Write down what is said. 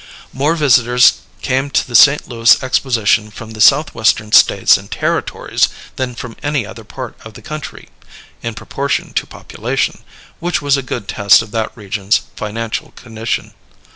More visitors came to the St. Louis Exposition from the Southwestern States and Territories than from any other part of the country, in proportion to population which was a good test of that region's financial condition.